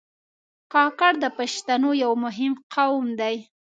کاکړ د پښتنو یو مهم قوم دی.